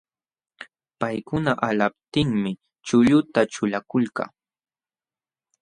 Paykuna alalaptinmi chulluta ćhulakulka.